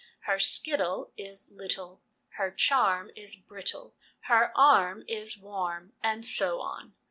Her skittle is little, her charm is brittle, her arm is warm, and so on.